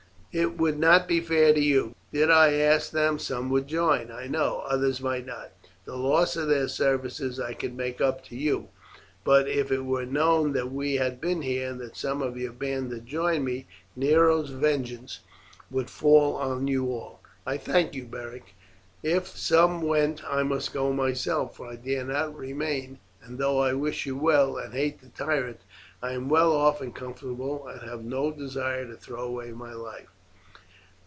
It would not be fair to you. Did I ask them some would join, I know, others might not. The loss of their services I could make up to you; but if it were known that we had been here, and that some of your band had joined me, Nero's vengeance would fall on you all." "I thank you, Beric; if some went I must go myself, for I dare not remain, and though I wish you well, and hate the tyrant, I am well off and comfortable, and have no desire to throw away my life."